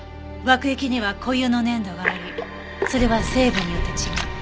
爆液には固有の粘度がありそれは成分によって違う。